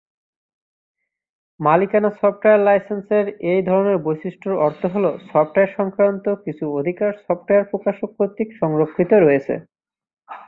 মালিকানা সফটওয়্যার লাইসেন্সের এই ধরনের বৈশিষ্ট্যের অর্থ হল সফটওয়্যার সংক্রান্ত কিছু অধিকার সফটওয়্যার প্রকাশক কর্তৃক সংরক্ষিত রয়েছে।